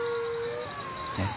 えっ。